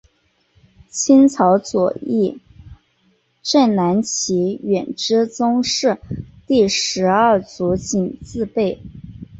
清朝左翼正蓝旗远支宗室第十二族绵字辈。